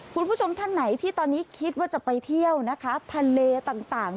คุณผู้ชมท่านไหนที่ตอนนี้คิดว่าจะไปเที่ยวนะคะทะเลต่าง